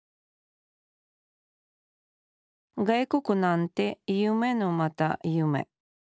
外国なんて夢のまた夢。